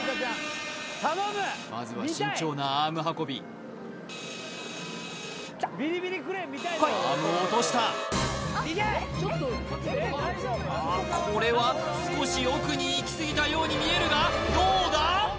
まずは慎重なアーム運びきたこいアームを落としたこれは少し奥にいきすぎたように見えるがどうだ？